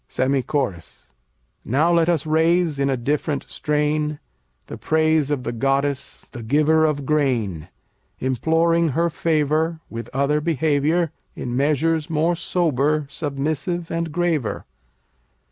SEMI CHORUS Now let us raise in a different strain The praise of the goddess, the giver of grain; Imploring her favor With other behavior, In measures more sober, submissive, and graver.